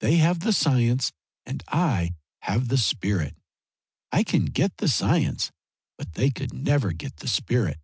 They have the science and I have the spirit. I can get the science but they could never get the spirit.